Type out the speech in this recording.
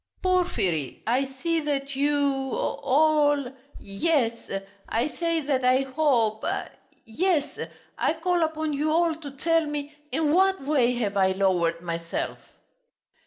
"Porfiry, I see that you ... all ... yes! I say that I hope ... yes, I call upon you all to tell me in what way have I lowered myself?"